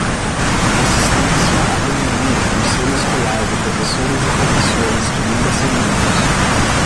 Assistência a reuniões do conselho escolar de professores e professores que ainda são membros.